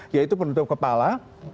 yaitu penutup kepala